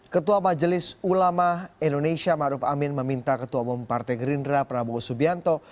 ketua majelis ulama indonesia maruf amin meminta ketua umum partai gerindra prabowo subianto